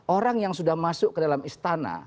orang yang sudah masuk ke dalam istana